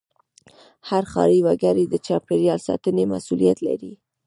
هر ښاري وګړی د چاپېریال ساتنې مسوولیت لري.